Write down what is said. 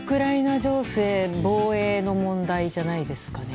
情勢防衛の問題じゃないですかね。